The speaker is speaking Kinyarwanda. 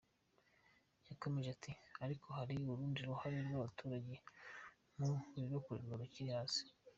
Yakomeje ati “Ariko hari urundi ruhare rw’abaturage mu bibakorerwa rukiri hasi.